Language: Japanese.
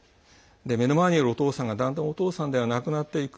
目の前にいるお父さんがだんだんお父さんではなくなっていく。